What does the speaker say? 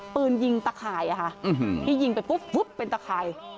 ปืนยิงตะข่ายที่ยิงไปปุ๊บเป็นตะข่าย